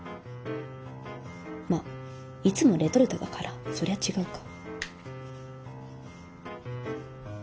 まあいつもレトルトだからそりゃ違うか